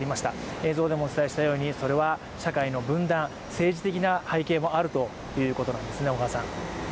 映像でもお伝えしたようにそれは社会の分断、政治的な背景もあるということなんですね。